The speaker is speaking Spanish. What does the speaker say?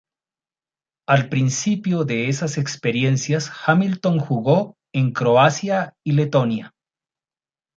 Al principio de esas experiencias Hamilton jugó en Croacia y Letonia.